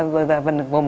rồi vần vần vần